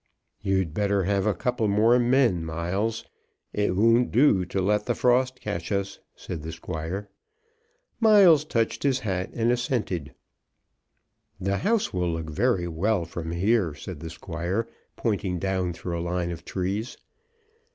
"You'd better have a couple more men, Miles. It won't do to let the frost catch us," said the Squire. Miles touched his hat, and assented. "The house will look very well from here," said the Squire, pointing down through a line of trees.